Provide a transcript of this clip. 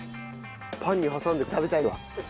パンに挟んで食べたいわ。